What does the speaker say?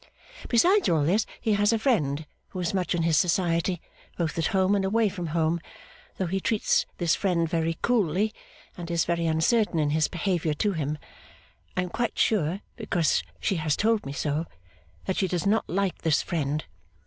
Besides all this, he has a friend who is much in his society both at home and away from home, though he treats this friend very coolly and is very uncertain in his behaviour to him. I am quite sure (because she has told me so), that she does not like this friend.